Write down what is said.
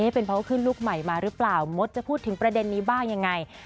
เป็นเพราะขึ้นลูกใหม่มาหรือเปล่ามดจะพูดถึงประเด็นนี้บ้างยังไง